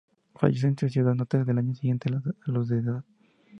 Falleció en su ciudad natal al año siguiente, a los de edad.